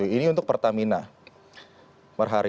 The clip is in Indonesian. ini untuk pertamina per hari